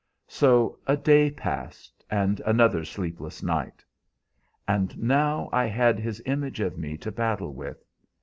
So a day passed, and another sleepless night. And now I had his image of me to battle with.